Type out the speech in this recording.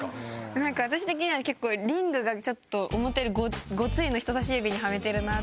なんか私的には結構リングがちょっと思ったよりごついのを人さし指にはめてるなって